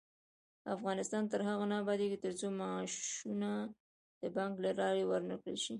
افغانستان تر هغو نه ابادیږي، ترڅو معاشونه د بانک له لارې ورنکړل شي.